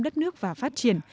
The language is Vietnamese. đất nước và phát triển